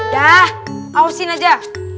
dah ausin aja